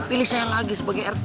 pilih saya lagi sebagai rt